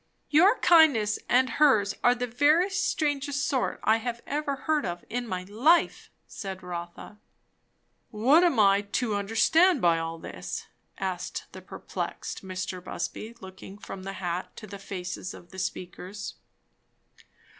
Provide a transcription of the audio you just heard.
"Your kindness, and hers, are the very strangest sort I ever heard of in my life," said Rotha. "What am I to understand by all this?" asked the perplexed Mr. Busby, looking from the hat to the faces of the speakers.